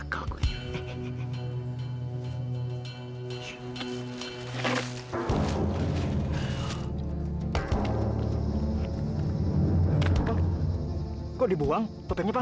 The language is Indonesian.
kakak mau kesana